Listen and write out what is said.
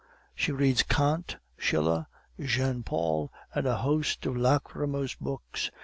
She reads Kant, Schiller, Jean Paul, and a host of lachrymose books.